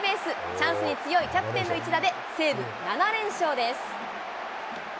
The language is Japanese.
チャンスに強いキャプテンの一打で、西武、７連勝です。